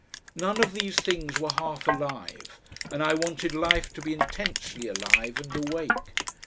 None of these things were half alive, and I wanted life to be intensely alive and awake.